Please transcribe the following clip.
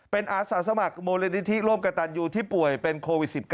เป็นอาสาสมัครมูลนิธิร่วมกับตันยูที่ป่วยเป็นโควิด๑๙